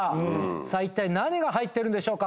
さあいったい何が入ってるんでしょうか。